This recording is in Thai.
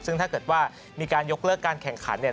ซึ่งถ้าเกิดว่ามีการยกเลิกการแข่งขันเนี่ย